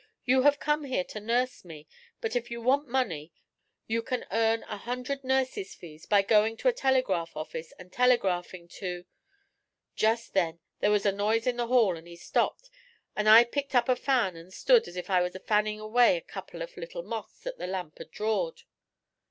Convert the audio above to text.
You have come here to nurse me, but if you want money you can earn a hundred nurses' fees by going to a telegraph office and telegraphin' to " 'Jest then there was a noise in the hall, an' he stopped, an' I picked up a fan an' stood as if I was a fannin' away a couple of little moths that the lamp had drawed.